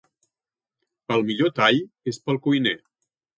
El millor tall és pel cuiner.